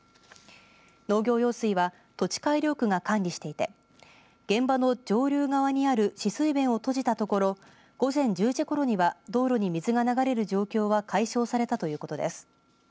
農業用水は土地改良区が管理していて現場の上流側にある止水弁を閉じたところ午前１０時ごろには道路に水が流れる状況は解消されたということです。